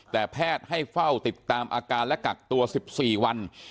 แต่แพทย์ให้เฝ้าติดตามอาการและกักตัว๑๔วัน